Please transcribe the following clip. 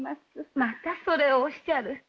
またそれをおっしゃる。